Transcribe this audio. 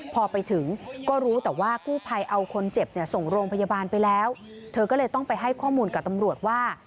พอไปถึงก็รู้แต่ว่ากู้ภัยเอาคนเจ็บเนี่ยส่งโรงพยาบาลไปแล้วเธอก็เลยต้องไปให้ข้อมูลกับตำรวจว่า